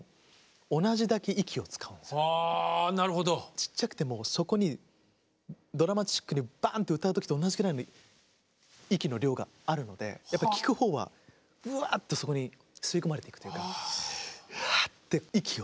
ちっちゃくてもそこにドラマチックにバーンと歌う時と同じくらいの息の量があるのでやっぱり聴く方はうわっとそこに吸い込まれていくというかファって息を。